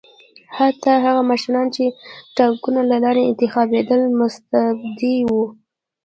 حتی هغه مشران چې ټاکنو له لارې انتخابېدل مستبد وو.